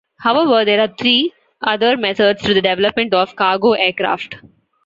However, there are three other methods to the development of cargo aircraft.